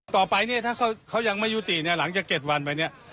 ต่อไปนี่ถ้าเขายังไม่ยุตินี่หลังจากเก็บวันไปนี่